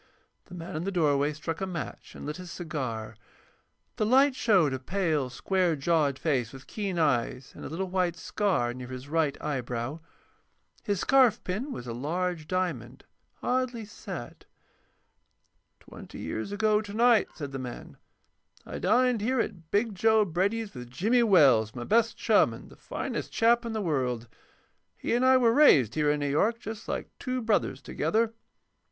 The man in the doorway struck a match and lit his cigar. The light showed a pale, square jawed face with keen eyes, and a little white scar near his right eyebrow. His scarfpin was a large diamond, oddly set. "Twenty years ago to night," said the man, "I dined here at 'Big Joe' Brady's with Jimmy Wells, my best chum, and the finest chap in the world. He and I were raised here in New York, just like two brothers, together.